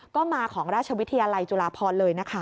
ค่ะแล้วก็ดีใจที่ได้มาฉีดวันนี้